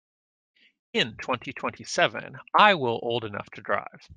In twenty-twenty-seven I will old enough to drive.